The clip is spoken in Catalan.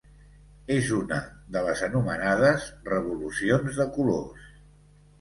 És una de les anomenades Revolucions de colors.